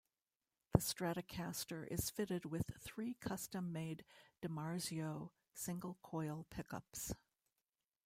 The Stratocaster is fitted with three custom made DiMarzio single coil pickups.